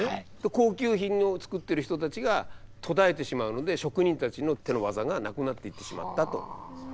高級品を作ってる人たちが途絶えてしまうので職人たちの手の技がなくなっていってしまったと。